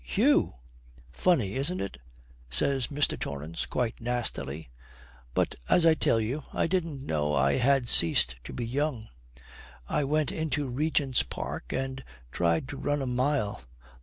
'You!' 'Funny, isn't it?' says Mr. Torrance quite nastily. 'But, as I tell you, I didn't know I had ceased to be young, I went into Regent's Park and tried to run a mile.'